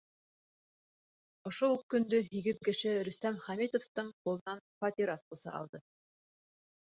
Ошо уҡ көндө һигеҙ кеше Рөстәм Хәмитовтың ҡулынан фатир асҡысы алды.